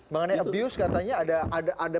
mengenai abuse katanya ada